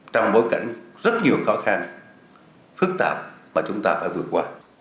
trong bối cảnh rất nhiều khó khăn phức tạp mà chúng ta phải vượt qua